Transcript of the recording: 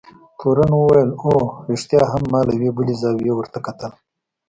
تورن وویل: اوه، رښتیا هم، ما له یوې بلې زاویې ورته کتل.